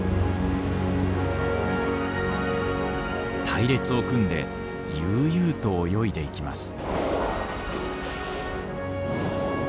隊列を組んで悠々と泳いでいきます。